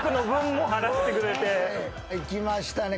いきましたね